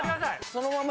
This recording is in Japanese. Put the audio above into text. そのまま！